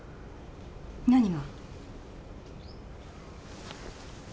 何が？